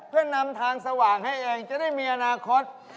เพื่อนำทางสว่างให้เองจะได้มีอนาคต